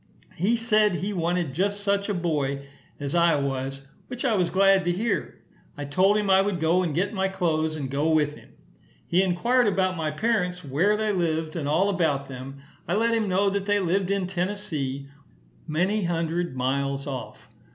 He said he wanted just such a boy as I was, which I was glad to hear. I told him I would go and get my clothes, and go with him. He enquired about my parents, where they lived, and all about them. I let him know that they lived in Tennessee, many hundred miles off.